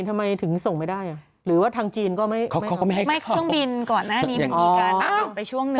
เครื่องบินก่อนหน้านี้มันมีการไปช่วงหนึ่ง